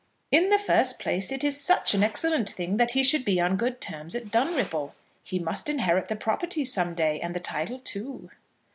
"In the first place it is such an excellent thing that he should be on good terms at Dunripple. He must inherit the property some day, and the title too."